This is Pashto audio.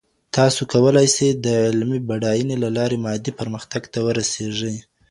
تاسو کولای سئ د علمي بډاينې له لاري مادي پرمختګ ته ورسېږئ.